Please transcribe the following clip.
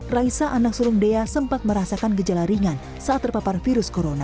raisa anak sulung dea sempat merasakan gejala ringan saat terpapar virus corona